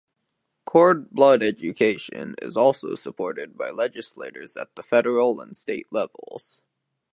Cord blood education is also supported by legislators at the federal and state levels.